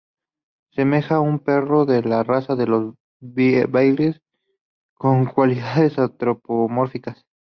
Semeja un perro de la raza de los Beagle, con cualidades antropomórficas.